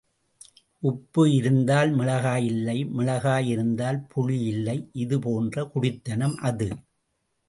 உப்பு இருந்தால் மிளகாய் இல்லை மிளகாய் இருந்தால் புளி இல்லை இது போன்ற குடித்தனம் அது.